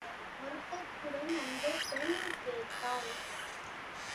வருத்தத்துடன் அந்த பெண் கேட்டாள்.